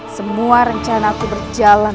semua rencana aku berjalan